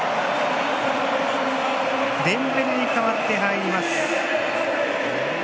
デンベレに代わって入ります。